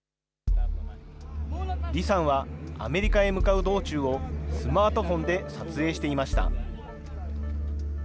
李さんはアメリカへ向かう道中をスマートフォンで撮影していました。